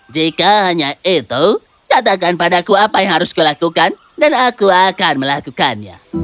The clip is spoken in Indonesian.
jika hanya itu katakan padaku apa yang harus kulakukan dan aku akan melakukannya